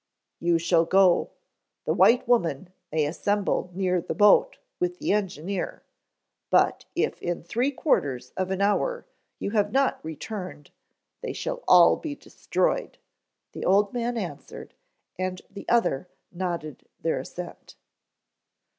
"You shall go. The white woman may assemble near the boat with the engineer; but if in three quarters of an hour you have not returned, they shall all be destroyed," the old man answered, and the other nodded their assent.